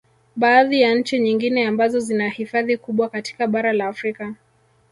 Baadhi ya nchi nyingine ambazo zina hifadhi kubwa katika bara la Afrika